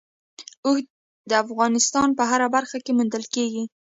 اوښ د افغانستان په هره برخه کې موندل کېږي.